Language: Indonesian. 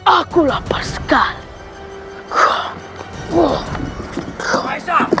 aku lapar sekali